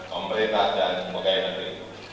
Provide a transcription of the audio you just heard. pemerintah dan kemuliaan negeri